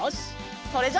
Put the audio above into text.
それじゃあ。